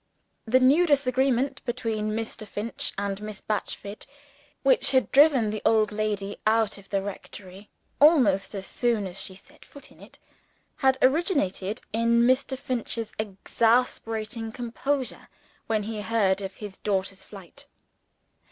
The new disagreement between Mr. Finch and Miss Batchford, which had driven the old lady out of the rectory almost as soon as she set foot in it, had originated in Mr. Finch's exasperating composure when he heard of his daughter's flight.